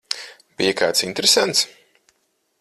Bija kāds interesants?